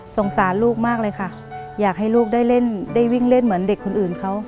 สงสารลูกมากเลยอยากให้ลูกได้วิ่งเล่นเหมือนคนอื่น